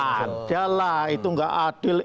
ada lah itu nggak adil